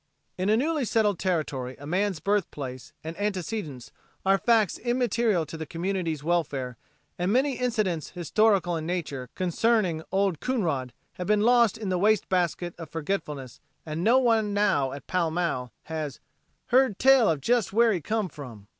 In a newly settled territory a man's birthplace and antecedents are facts immaterial to the community's welfare and many incidents historical in nature concerning Old Coonrod have been lost in the waste basket of forgetfulness and no one now at Pall Mall has "heard tell of jes' where he come from."